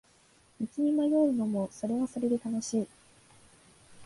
道に迷うのもそれはそれで楽しい